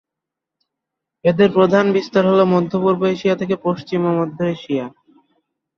এদের প্রধান বিস্তার হল মধ্য-পূর্ব এশিয়া থেকে পশ্চিম ও মধ্য এশিয়া।